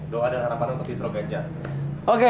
doa dan harapan untuk distro ganjar